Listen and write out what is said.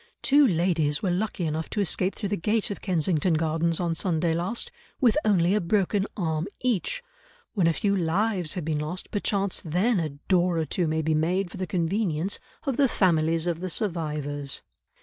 "Two ladies were lucky enough to escape through the gate of Kensington Gardens, on Sunday last, with only a broken arm each. When a few lives have been lost perchance then a door or two may be made for the convenience of the families of the survivors."